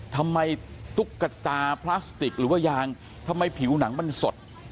ตุ๊กตาพลาสติกหรือว่ายางทำไมผิวหนังมันสด